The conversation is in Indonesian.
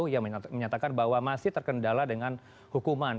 yang menyatakan bahwa masih terkendala dengan hukuman